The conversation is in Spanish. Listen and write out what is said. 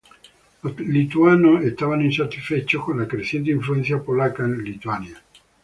Los lituanos estaban insatisfechos con la creciente influencia polaca en Lituania.